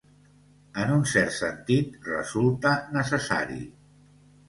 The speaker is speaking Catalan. En un cert sentit, resulta necessari.